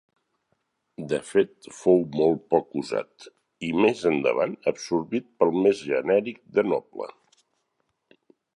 De fet fou molt poc usat i més endavant absorbit pel més genèric de noble.